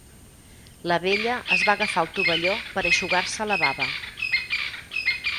La vella es va agafar el tovalló per eixugar-se la baba.